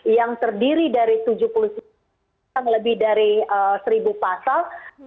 yang terdiri dari tujuh puluh sembilan lebih dari seribu pasal